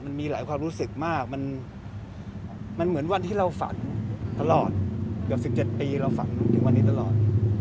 มันมีหลายความรู้สึกมากมันเหมือนวันที่เราฝันตลอดเกือบ๑๗ปีเราฝันถึงวันนี้ตลอด